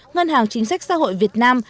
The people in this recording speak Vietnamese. ngân hàng chính sách xã hội việt nam